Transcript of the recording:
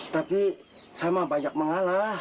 tapi saya mah banyak mengalah